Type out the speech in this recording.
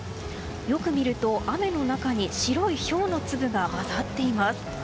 よく見ると、雨の中に白いひょうの粒が交ざっています。